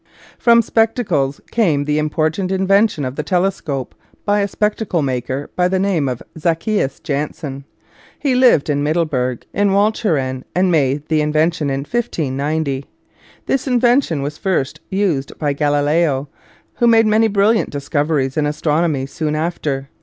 From spectacles came the important invention of the telescope by a spectacle maker by the name of Zacchias Jansen. He lived in Middleburg, in Walch eren, and made the invention in 1590. This invention was first used by Galileo, who made many brilliant discoveries in astronomy soon after.